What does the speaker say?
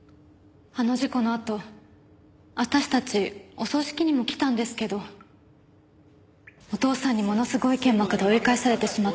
あの事故のあと私たちお葬式にも来たんですけどお父さんにものすごい剣幕で追い返されてしまって。